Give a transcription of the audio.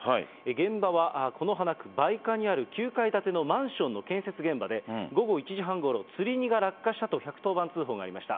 現場は此花区ばいかにある９階建てのマンションの建設現場で、午後１時半ごろ、つり荷が落下したと１１０番通報がありました。